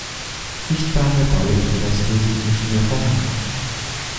Sichtbare bauliche Reste sind nicht mehr vorhanden.